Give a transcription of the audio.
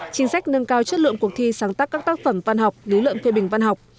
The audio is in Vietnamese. chính sách nâng cao chất lượng cuộc thi sáng tác các tác phẩm văn học lý luận phê bình văn học